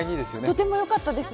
とても良かったです。